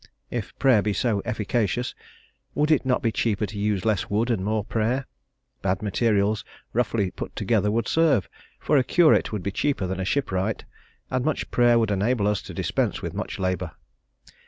If prayer be so efficacious, would it not be cheaper to use less wood and more prayer? Bad materials roughly put together would serve, for a curate would be cheaper than a shipwright, and much prayer would enable us to dispense with much labour.